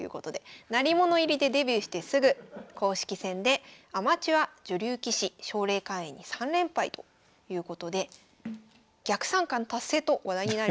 鳴り物入りでデビューしてすぐ公式戦でアマチュア女流棋士奨励会員に３連敗ということで逆三冠達成と話題になりました。